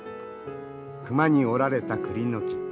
熊に折られたクリの木。